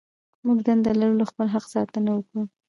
موږ دنده لرو له خپل حق ساتنه وکړو.